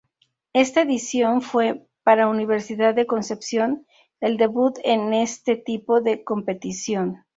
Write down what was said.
Esta edición fue, para Universidad de Concepción, el debut en este tipo de competición.